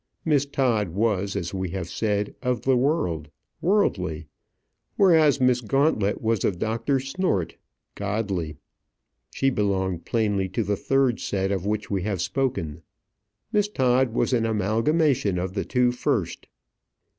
Miss Todd was, as we have said, of the world, worldly; whereas Miss Gauntlet was of Dr. Snort, godly. She belonged plainly to the third set of which we have spoken; Miss Todd was an amalgamation of the two first.